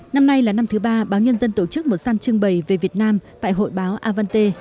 năm nay là năm thứ ba báo nhân dân tổ chức một sàn trưng bày về việt nam tại hội báo avante